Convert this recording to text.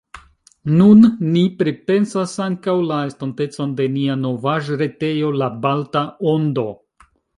Nun ni pripensas ankaŭ la estontecon de nia novaĵretejo La Balta Ondo.